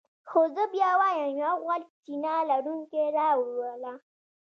خو زه بیا وایم یو غټ سینه لرونکی را وله.